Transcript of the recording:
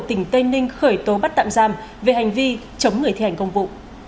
tỉnh tây ninh khởi tố bắt tạm giam về hành vi chống người thi hành công vụ